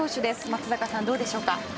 松坂さん、どうでしょうか。